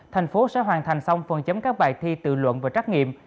thành phố sẽ hoàn thành xong phần chấm các bài thi tự luận và trắc nghiệm